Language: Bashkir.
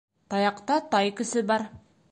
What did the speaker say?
Таяҡта тай көсө бар.